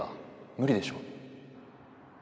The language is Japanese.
無理でしょ？